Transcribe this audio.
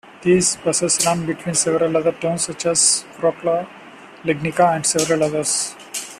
These buses run between several other towns such as Wroclaw, Legnica and several others.